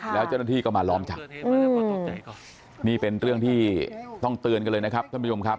แล้วเจ้าหน้าที่ก็มาล้อมจับนี่เป็นเรื่องที่ต้องเตือนกันเลยนะครับท่านผู้ชมครับ